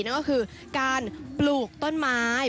นั่นก็คือการปลูกต้นไม้